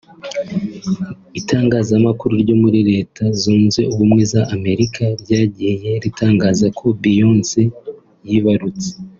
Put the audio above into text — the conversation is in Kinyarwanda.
Itangazamakuru ryo muri Leta Zunze Ubumwe za Amerika ryagiye ritangaza ko Beyonce yibarutse